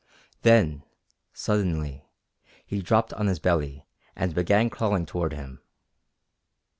Then, suddenly, he dropped on his belly and began crawling toward him.